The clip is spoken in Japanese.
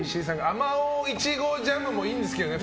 あまおういちごジャムもいいんですけど